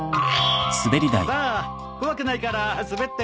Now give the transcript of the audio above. さあ怖くないから滑ってごらん。